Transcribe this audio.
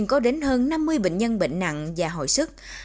có đến hơn năm mươi bệnh nhân bệnh nặng và hồi sức